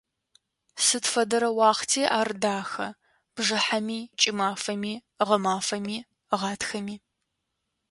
Сыд фэдэрэ уахъти ар дахэ: бжыхьэми, кӏымафэми, гъэмафэми, гъатхэми.